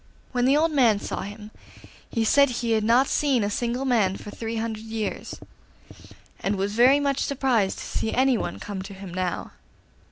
When the old man saw him he said he had not seen a single man for three hundred years, and was very much surprised to see anyone come to him now.